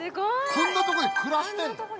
こんなとこで暮らしてんの？